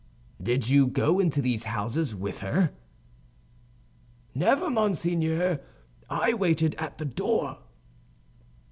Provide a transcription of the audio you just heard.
"Did you go into these houses with her?" "Never, monseigneur; I waited at the door."